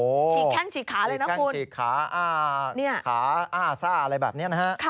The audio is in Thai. ฉีกแข้งฉีกขาเลยนะคุณฉีกแข้งฉีกขาอ่าอ่าซ่าอะไรแบบนี้นะครับ